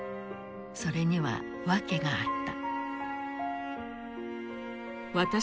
それには訳があった。